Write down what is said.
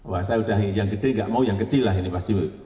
wah saya udah yang gede nggak mau yang kecil lah ini pasti